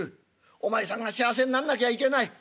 お前さんが幸せになんなきゃいけない。